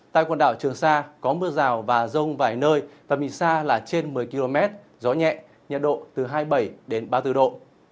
tại quần đảo trường sa có mưa rào và rông vài nơi tầm nhìn xa là trên một mươi km gió nhẹ nhiệt độ từ hai mươi bảy ba mươi bốn độ